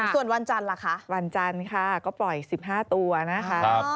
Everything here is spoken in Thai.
ส่วนวันจันทร์ล่ะคะวันจันทร์ค่ะก็ปล่อย๑๕ตัวนะคะ